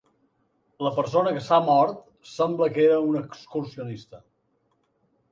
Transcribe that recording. La persona que s’ha mort sembla que era un excursionista.